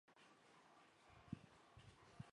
海南鳞盖蕨为姬蕨科鳞盖蕨属下的一个种。